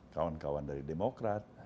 kawan kawan dari demokrat